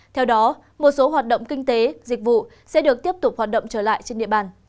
theo đó một số hoạt động kinh tế dịch vụ sẽ được tiếp tục hoạt động trở lại trên địa bàn